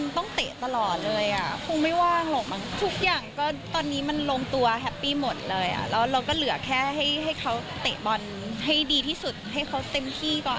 ทุกคนตัวแฮปปี้หมดเลยแล้วเราก็เหลือแค่ให้เขาเตะบอลได้ที่สุดที่เขาเต็มที่ก่อน